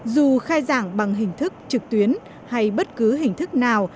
dù khai giảng bằng hình thức trực tuyến hay bất cứ hình thức nào